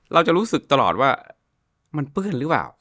เราจะรู้สึกตลอดว่ามันเปื้อนหรือเปล่า